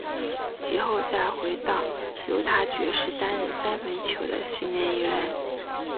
及后再回到犹他爵士担任三分球的训练员。